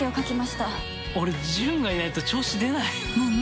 俺、純がいないと調子が出ない。